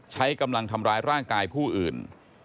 ใช้กำลังทำร้ายร่างกายผู้อื่น